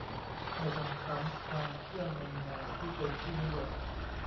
ไม่ทำซ้ำ ความเชื่องมงายที่เป็นที่นิยม